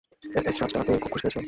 এসরাজটা পেয়ে খুব খুশি হয়েছ?